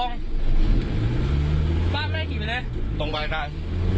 ไม่ได้ถีมเลยตรงไปแล้ว